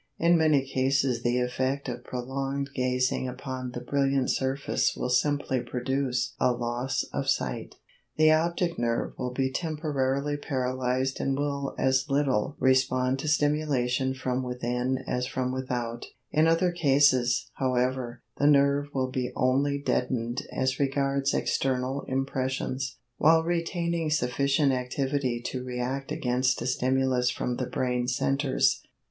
In many cases the effect of prolonged gazing upon the brilliant surface will simply produce a loss of sight, the optic nerve will be temporarily paralyzed and will as little respond to stimulation from within as from without; in other cases, however, the nerve will be only deadened as regards external impressions, while retaining sufficient activity to react against a stimulus from the brain centres.